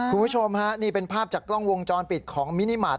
คุณผู้ชมฮะนี่เป็นภาพจากกล้องวงจรปิดของมินิมาตร